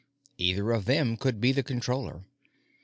Either of them could be the Controller.